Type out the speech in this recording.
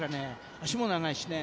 足も長いからね。